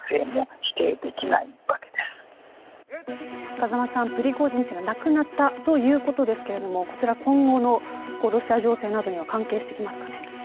風間さん、プリゴジン氏が亡くなったということですがこちら、今後のロシア情勢などには関係してきますか。